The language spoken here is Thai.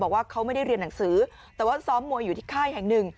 บอกว่าเขาไม่ได้เรียนหนังสือแต่ว่าซ้อมมวยอยู่ที่ค่ายแห่งหนึ่ง